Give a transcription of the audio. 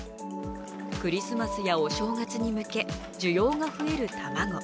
クリスマスやお正月に向け、需要が増える卵。